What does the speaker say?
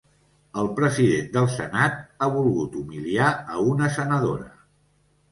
El president del senat ha volgut humiliar a una senadora